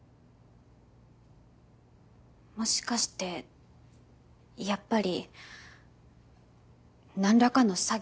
もしかしてやっぱりなんらかの詐欺？